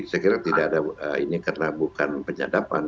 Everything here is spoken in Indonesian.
saya kira ini karena bukan penyadapan